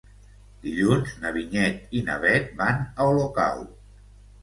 Dilluns na Vinyet i na Bet van a Olocau.